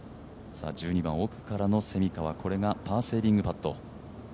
１２番、奥からの蝉川、これがパーセービングパット。